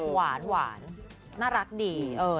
หวานน่ารักดี